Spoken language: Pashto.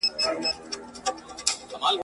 خټک که ښه سوار دئ، د يوه وار دئ.